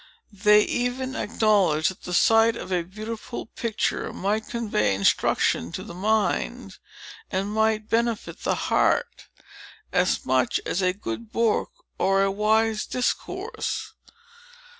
They even acknowledged that the sight of a beautiful picture might convey instruction to the mind, and might benefit the heart, as much as a good book or a wise discourse.